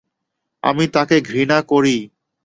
আমি তাকে ঘৃণা করি।